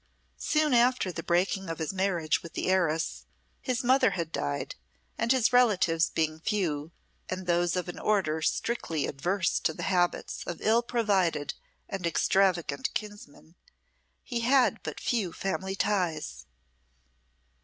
Soon after the breaking of his marriage with the heiress, his mother had died, and his relatives being few, and those of an order strictly averse to the habits of ill provided and extravagant kinsmen, he had but few family ties.